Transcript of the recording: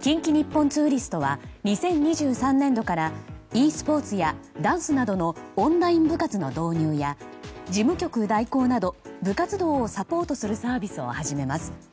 近畿日本ツーリストは２０２３年度からｅスポーツやダンスなどのオンライン部活の導入や事務局代行など部活動をサポートするサービスを始めます。